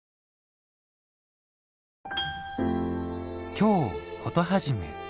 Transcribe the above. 「京コトはじめ」。